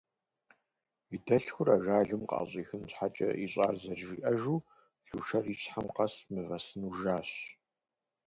И дэлъхур ажалым къыӏэщӏихын щхьэкӏэ ищӏар зэрыжиӏэжу, Лушэр и щхьэм къэс мывэ сыну жащ.